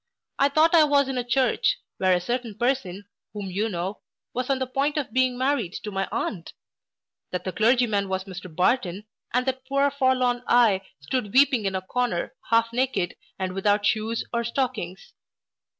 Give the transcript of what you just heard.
I thought I was in a church, where a certain person, whom you know, was on the point of being married to my aunt; that the clergyman was Mr Barton, and that poor forlorn I, stood weeping in a corner, half naked, and without shoes or stockings.